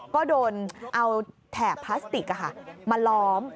ก็โดนเอาแถบพลาสติกมาล้อม